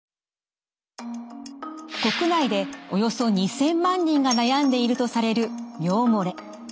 国内でおよそ２，０００万人が悩んでいるとされる尿漏れ。